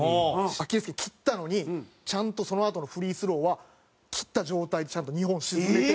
アキレス腱切ったのにちゃんとそのあとのフリースローは切った状態でちゃんと２本沈めてから。